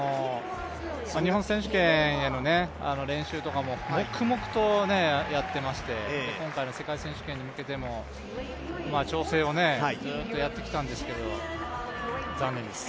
日本選手権の練習とかも黙々とやっていまして今回の世界選手権に向けても調整をずっとやってきたんですけど、残念です。